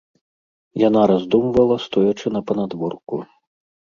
Яна раздумвала, стоячы на панадворку.